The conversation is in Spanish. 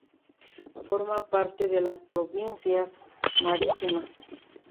Forma parte de las Provincias Marítimas.